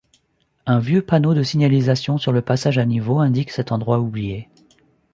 Un vieux panneau de signalisation sur le passage à niveau indique cet endroit oublié.